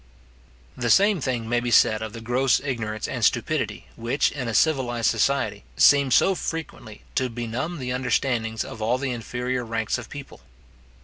The same thing may be said of the gross ignorance and stupidity which, in a civilized society, seem so frequently to benumb the understandings of all the inferior ranks of people.